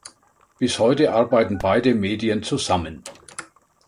Bis heute arbeiten beide Medien zusammen.